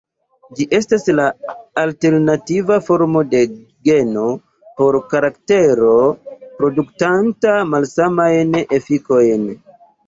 Ĝi estas la alternativa formo de geno por karaktero produktanta malsamajn efikojn.